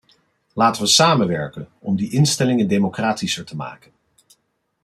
Laten we samenwerken om die instellingen democratischer te maken.